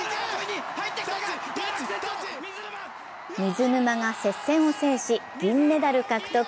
水沼が接戦を制し銀メダル獲得。